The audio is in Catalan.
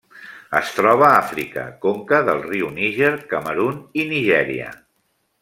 Es troba a Àfrica: conca del riu Níger, Camerun i Nigèria.